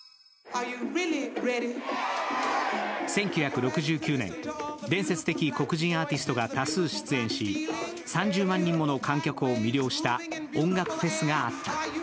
１９６９年、伝説的黒人アーティストが多数出演し、３０万人もの観客を魅了した音楽フェスがあった。